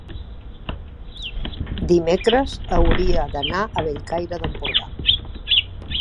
dimecres hauria d'anar a Bellcaire d'Empordà.